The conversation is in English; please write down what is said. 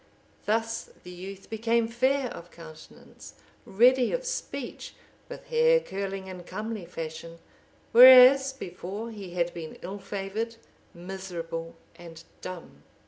Thus the youth became fair of countenance, ready of speech, with hair curling in comely fashion, whereas before he had been ill favoured, miserable, and dumb.